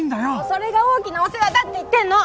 それが大きなお世話だって言ってんの！